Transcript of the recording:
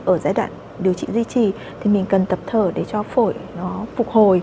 ở giai đoạn điều trị duy trì thì mình cần tập thở để cho phổi phục hồi chức năng hô hấp